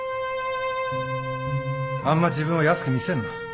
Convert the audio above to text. あんま自分を安く見せんな。